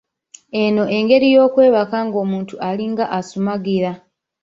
Eno engeri y'okwebaka ng’omuntu alinga asumugira.